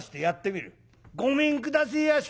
「ごめんくだせえやし」。